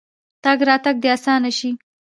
تګ راتګ دې اسانه شي.